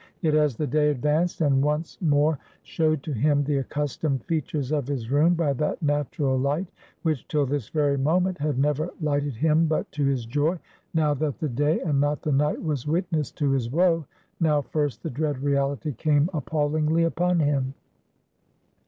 Yet as the day advanced, and once more showed to him the accustomed features of his room by that natural light, which, till this very moment, had never lighted him but to his joy; now that the day, and not the night, was witness to his woe; now first the dread reality came appallingly upon him.